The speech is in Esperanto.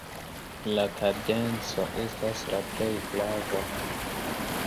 La kadenco estas la plej grava.